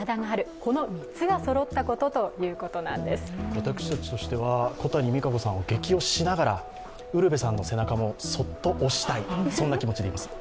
私たちとしては小谷実可子さんをゲキ推ししながらウルヴェさんの背中もそっと押したい気持ちです。